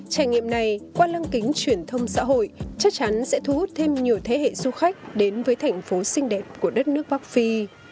trải nghiệm này qua lăng kính truyền thông xã hội chắc chắn sẽ thu hút thêm nhiều thế hệ du khách đến với thành phố xinh đẹp của đất nước bắc phi